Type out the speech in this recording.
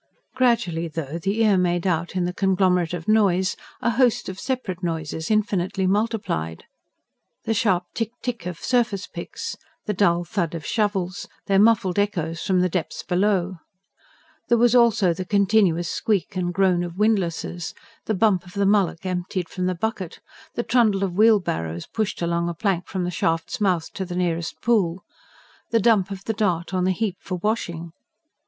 Gradually, though, the ear made out, in the conglomerate of noise, a host of separate noises infinitely multiplied: the sharp tick tick of surface picks, the dull thud of shovels, their muffled echoes from the depths below. There was also the continuous squeak and groan of windlasses; the bump of the mullock emptied from the bucket; the trundle of wheelbarrows, pushed along a plank from the shaft's mouth to the nearest pool; the dump of the dart on the heap for washing.